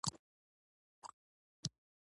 هاشم لالا تارڼ د پښتون ملي تحريک مهم غړی و.